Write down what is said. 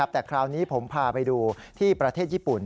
แต่คราวนี้ผมพาไปดูที่ประเทศญี่ปุ่น